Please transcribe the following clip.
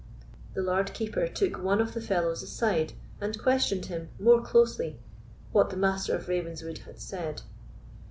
The Lord Keeper took one of the fellows aside, and questioned him more closely what the Master of Ravenswood had said.